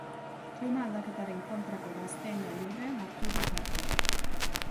Klima-aldaketaren kontrako gazteen gailurrean hartu du parte.